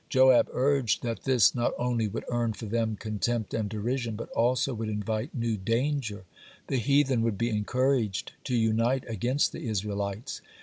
Joab urged that this not only would earn for them contempt and derision, but also would invite new danger. The heathen would be encouraged to unite against the Israelites.